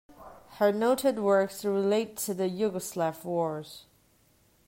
Her noted works relate to the Yugoslav wars.